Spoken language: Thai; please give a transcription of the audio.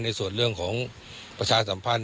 ในส่วนเรื่องของประชาสัมพันธ์